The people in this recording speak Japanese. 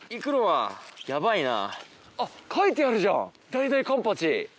だいだいカンパチ。